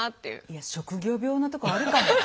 いや職業病なとこあるかも。